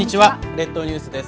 列島ニュースです。